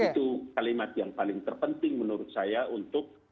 itu kalimat yang paling terpenting menurut saya untuk